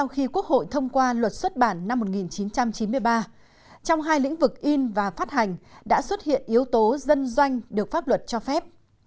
khi quốc hội thông qua luật xuất bản năm một nghìn chín trăm chín mươi ba trong hai lĩnh vực in và phát hành đã xuất hiện yếu tố dân doanh được pháp luật cho phép